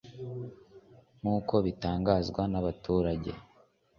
nk’uko bitangazwa n’abaturage